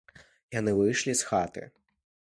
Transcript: Яны выйшлі з хаты.